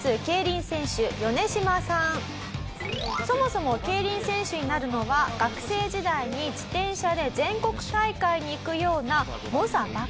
そもそも競輪選手になるのは学生時代に自転車で全国大会に行くような猛者ばかり。